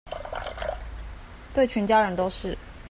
對全家人都是